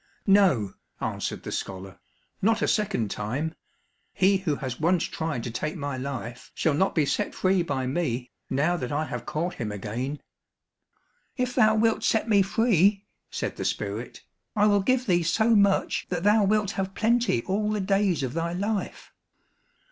"No," answered the scholar, "not a second time! He who has once tried to take my life shall not be set free by me, now that I have caught him again." "If thou wilt set me free," said the spirit, "I will give thee so much that thou wilt have plenty all the days of thy life."